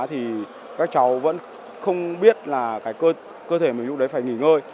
thì các cháu vẫn không biết là cái cơ thể mình lúc đấy phải nghỉ ngơi